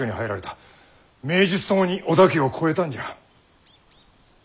名実ともに織田家を超えたんじゃ。